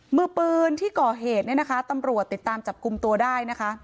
มือปืนที่ก่อเหตุเนี่ยนะคะตำรวจติดตามจับกลุ่มตัวได้นะคะ